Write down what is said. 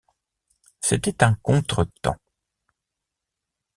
C’était un contre-temps.